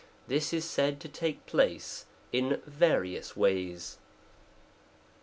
This is sard to iake place in various ways. I.